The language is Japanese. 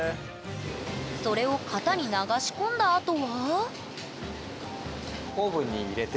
それを型に流し込んだあとは？